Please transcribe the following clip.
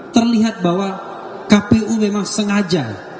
terlihat bahwa kpu memang sengaja